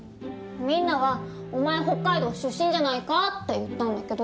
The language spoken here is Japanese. みんなは「お前北海道出身じゃないか」って言ったんだけど。